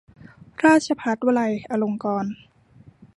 ราชภัฏวไลยอลงกรณ์